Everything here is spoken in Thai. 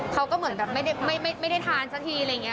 เขาก็เหมือนแบบไม่ได้ทานสักทีอะไรอย่างนี้